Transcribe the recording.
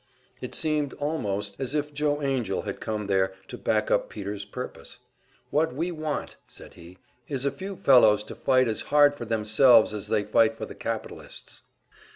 It seemed almost as if Joe Angell had come there to back up Peter's purpose. "What we want," said he, "is a few fellows to fight as hard for themselves as they fight for the capitalists."